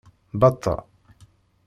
Batta